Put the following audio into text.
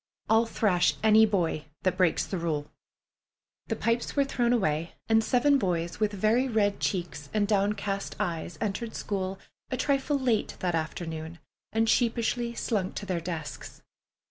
I'll thrash any boy that breaks the rule." The pipes were thrown away, and seven boys with very red cheeks and downcast eyes entered school a trifle late that noon and sheepishly slunk to their desks.